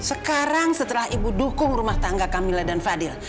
sekarang setelah ibu dukung rumah tangga kamila dan fadil